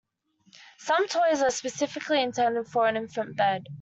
Some toys are specifically intended for an infant bed.